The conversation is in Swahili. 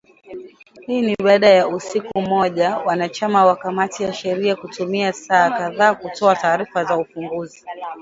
Hii ni baada ya siku moja wanachama wa kamati ya sheria kutumia saa kadhaa kutoa taarifa za ufunguzi